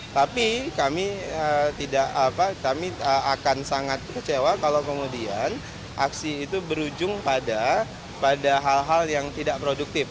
tapi kami akan sangat kecewa kalau kemudian aksi itu berujung pada hal hal yang tidak produktif